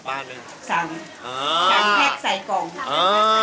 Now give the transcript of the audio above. ไม่ธรรมดา